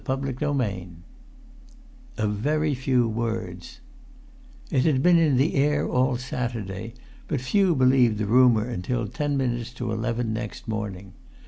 [Pg 316] XXVI A VERY FEW WORDS It had been in the air all Saturday, but few believed the rumour until ten minutes to eleven next morning.